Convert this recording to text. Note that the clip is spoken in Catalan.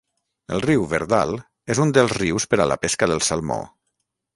El riu Verdal és un dels rius per a la pesca del salmó.